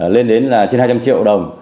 lên đến trên hai trăm linh triệu đồng